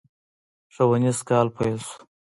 ښوونيز کال پيل شو.